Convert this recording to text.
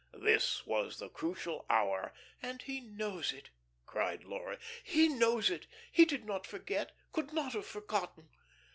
This was the crucial hour. "And he knows it," cried Laura. "He knows it. He did not forget, could not have forgotten."